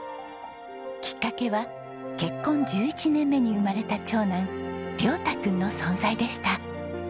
きっかけは結婚１１年目に生まれた長男椋太君の存在でした。